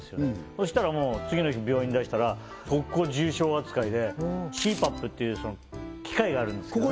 そしたらもう次の日病院に出したら即行重症扱いでＣ−ＰＡＰっていう機械があるんですけどね